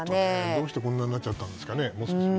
どうしてこんなになったんですかね。